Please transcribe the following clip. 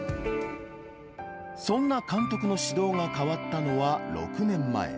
そんな監督の指導が変わったのは、６年前。